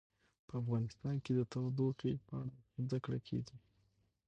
په افغانستان کې د تودوخه په اړه زده کړه کېږي.